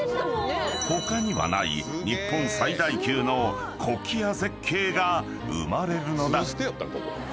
［他にはない日本最大級のコキア絶景が生まれるのだ］